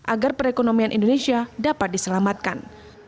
agar perekonomian indonesia dapat diselamatkan